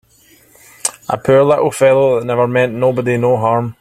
A poor little fellow that never meant nobody no harm!